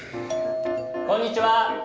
・こんにちは！